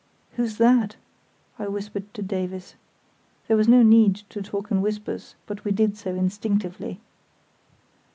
"Who's that?" I whispered to Davies. (There was no need to talk in whispers, but we did so instinctively.)